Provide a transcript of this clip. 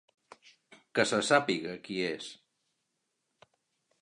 Que se sàpiga qui és.